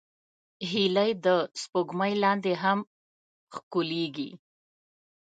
هیلۍ د سپوږمۍ لاندې هم ښکليږي